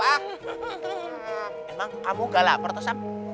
emang kamu gak lapar tuh sam